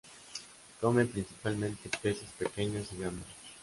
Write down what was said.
Come principalmente peces pequeños y gambas.